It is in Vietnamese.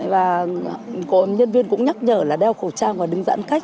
và nhân viên cũng nhắc nhở là đeo khẩu trang và đứng giãn cách